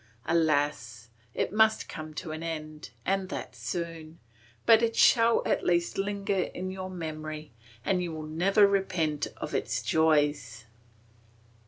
Alas! it must come to an end and that soon; but it shall at least linger in your memory, and you will never repent of its joys.